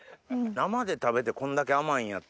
生で食べてこんだけ甘いんやったら。